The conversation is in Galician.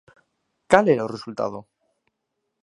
¿Cal era o resultado?